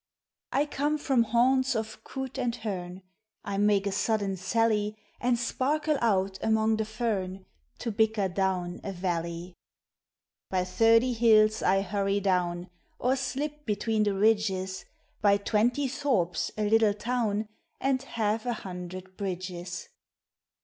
I come from haunts of coot and hern I make a sudden sally And sparkle out among the fern, To bicker down a valley. INLAND WATERS: HIGHLANDS. 195 By thirty hills I hurry down, Or slip between the ridges, By twenty thorps, a little town, And half a hundred bridges.